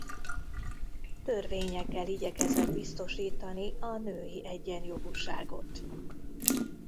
Törvényekkel igyekezett biztosítani a női egyenjogúságot.